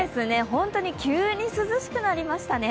本当に急に涼しくなりましたね。